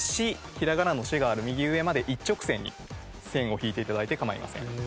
ひらがなの「し」がある右上まで一直線に線を引いて頂いて構いません。